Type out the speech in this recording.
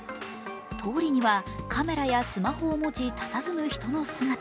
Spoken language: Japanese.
通りにはカメラやスマホを持ちたたずむ人の姿。